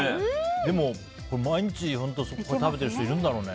でも、毎日これ食べてる人いるんだろうね。